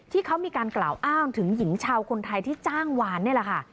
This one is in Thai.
ที่เขามีการกล่าวอ้างถึงหญิงชาวคนไทยที่จ้างวานนี่แหละค่ะ